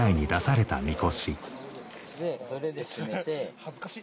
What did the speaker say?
・それで締めて・恥ずかしっ。